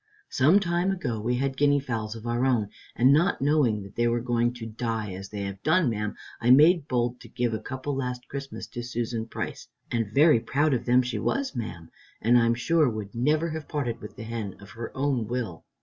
Some time ago we had guinea fowls of our own, and not knowing they were going to die as they have done, ma'am, I made bold to give a couple last Christmas to Susan Price, and very proud of them she was, ma'am, and I'm sure would never have parted with the hen of her own will.